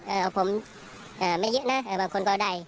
เอาผมไม่เยอะนะบางคนก็ได้